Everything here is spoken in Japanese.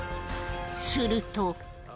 すると。